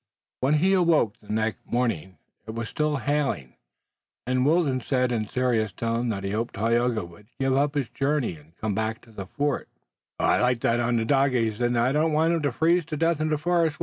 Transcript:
When he awoke the next morning it was still hailing, and Wilton said in a serious tone that he hoped Tayoga would give up the journey and come back to Fort Refuge. "I like that Onondaga," he said, "and I don't want him to freeze to death in the forest.